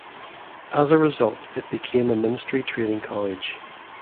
As a result, it became a Ministry training college.